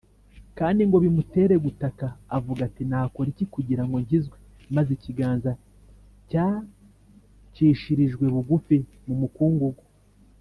, kandi ngo bimutere gutaka avuga ati, ‘‘Nakora iki kugira ngo nkizwe ?’’ Maze ikiganza cyacishirijwe bugufi mu mukungugu